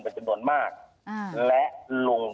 บัจจุดนวลมากและลุง